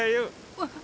あっ。